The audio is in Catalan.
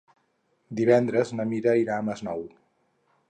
Divendres na Mira irà al Masnou.